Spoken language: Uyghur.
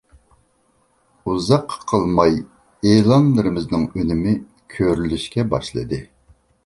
ئۇزاققا قالماي ئېلانلىرىمىزنىڭ ئۈنۈمى كۆرۈلۈشكە باشلىدى.